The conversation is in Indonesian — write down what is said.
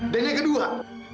dan yang kedua